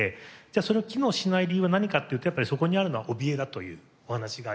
じゃあその機能しない理由は何かっていうとやっぱりそこにあるのはおびえだというお話がありました。